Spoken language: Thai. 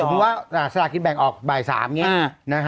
สมมุติว่าสถานกิจแบ่งออกบ่าย๓อย่างนี้นะฮะ